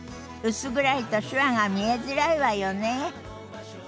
薄暗いと手話が見えづらいわよね。